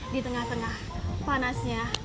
di tengah tengah panasnya